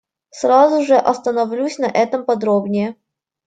Сразу же остановлюсь на этом подробнее.